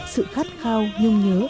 sự khát khao nhung nhớ